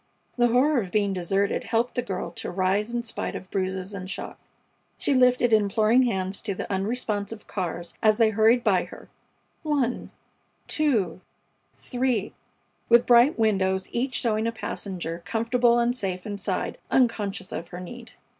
The horror of being deserted helped the girl to rise in spite of bruises and shock. She lifted imploring hands to the unresponsive cars as they hurried by her one, two, three, with bright windows, each showing a passenger, comfortable and safe inside, unconscious of her need.